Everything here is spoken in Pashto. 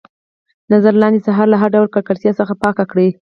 نظر لاندې ساحه له هر ډول ککړتیا څخه پاکه کړئ.